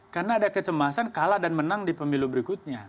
karena ada kecemasan kalah dan menang di pemilu berikutnya